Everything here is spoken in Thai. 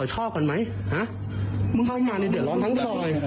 ชอบงานในเดือดร้อนทั้งซอย